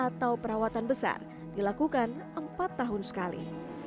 atau perawatan besar dilakukan empat tahun sekali